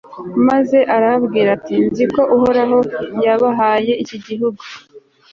maze arababwira ati nzi ko uhoraho yabahaye iki gihugu